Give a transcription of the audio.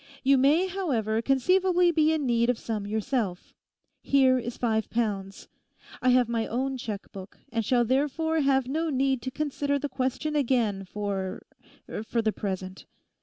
You may, however, conceivably be in need of some yourself; here is five pounds. I have my own cheque book, and shall therefore have no need to consider the question again for—for the present.